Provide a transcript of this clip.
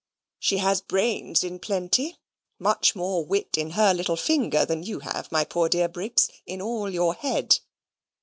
"She has brains in plenty (much more wit in her little finger than you have, my poor dear Briggs, in all your head).